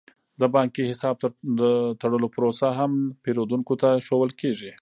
د بانکي حساب د تړلو پروسه هم پیرودونکو ته ښودل کیږي.